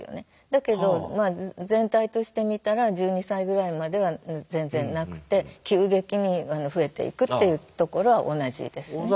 だけど全体として見たら１２歳ぐらいまでは全然なくて急激に増えていくっていうところは同じですね。